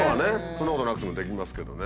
そんなことなくてもできますけどね。